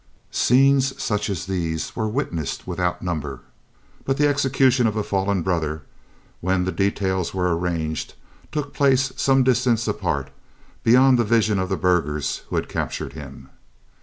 Scenes such as these were witnessed without number, but the execution of a "fallen brother," when the details were arranged, took place some distance apart, beyond the vision of the burghers who had captured him.